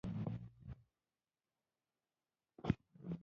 • بادام د خوندیتوب لپاره ډېر ګټور دی.